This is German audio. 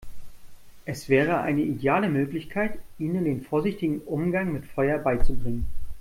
Es wäre eine ideale Möglichkeit, ihnen den vorsichtigen Umgang mit Feuer beizubringen.